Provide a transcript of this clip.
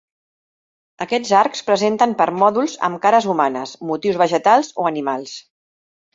Aquests arcs presenten permòdols amb cares humanes, motius vegetals o animals.